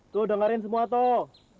tuh dengerin semua tuh